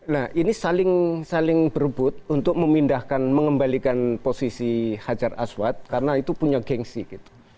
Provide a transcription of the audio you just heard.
nah ini saling berebut untuk memindahkan mengembalikan posisi hajar aswad karena itu punya gengsi gitu